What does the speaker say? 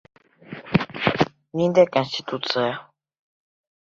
Ниндәй конституция?